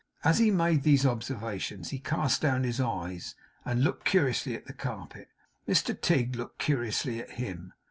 As he made these observations he cast down his eyes, and looked curiously at the carpet. Mr Tigg looked curiously at him.